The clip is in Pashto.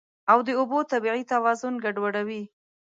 او د اوبو طبیعي توازن ګډوډوي.